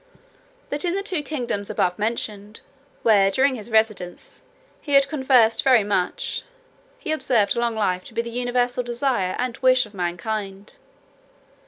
That in the two kingdoms above mentioned, where, during his residence, he had conversed very much, he observed long life to be the universal desire and wish of mankind.